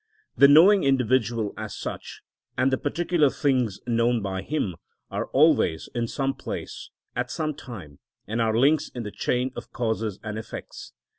The knowing individual as such, and the particular things known by him, are always in some place, at some time, and are links in the chain of causes and effects.